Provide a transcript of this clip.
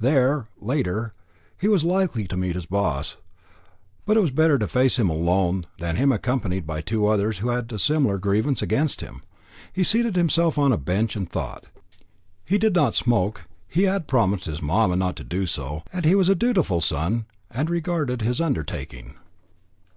There, later, he was likely to meet his "boss"; but it was better to face him alone, than him accompanied by two others who had a similar grievance against him. He seated himself on a bench and thought. He did not smoke; he had promised his "mamma" not to do so, and he was a dutiful son, and regarded his undertaking.